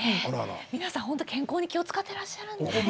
皆さんほんと健康に気を使ってらっしゃるんですね。